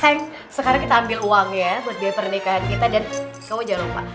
heng sekarang kita ambil uang ya buat biaya pernikahan kita dan semoga jangan lupa